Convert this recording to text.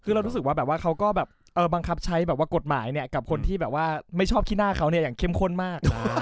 คือเรารู้สึกว่าแบบว่าเขาก็แบบบังคับใช้แบบว่ากฎหมายกับคนที่แบบว่าไม่ชอบขี้หน้าเขาเนี่ยอย่างเข้มข้นมาก